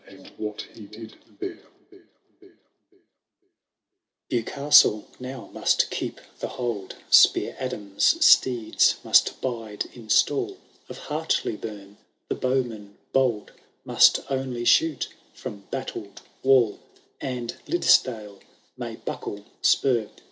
CANTO THIRD. I. BxwcASTLB noir must keep the Hold, Speir Adsm^ steeds must bide in stall. Of Hartley bum the bowmen bold Must only shoot from battled wall ; And liddesdale may buckle spur.